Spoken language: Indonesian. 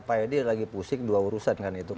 pak edi lagi pusik dua urusan kan itu